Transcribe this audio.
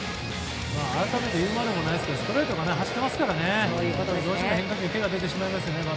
改めて言うまでもないですがストレートが走ってますからどうしても変化球にバッターは手が出てしまいますね。